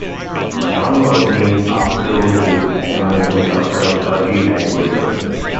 The town was named after Rose Hill Emerson, daughter of early landholder.